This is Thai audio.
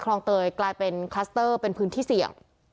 เตยกลายเป็นคลัสเตอร์เป็นพื้นที่เสี่ยง